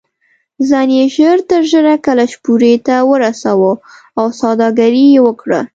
ځان یې ژر تر ژره کلشپورې ته ورساوه او سوداګري یې وکړه.